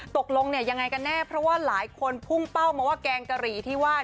ตกลงเนี่ยยังไงกันแน่เพราะว่าหลายคนพุ่งเป้ามาว่าแกงกะหรี่ที่ว่า